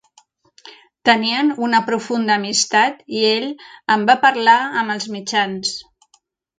Tenien una profunda amistat i ell en va parlar amb els mitjans.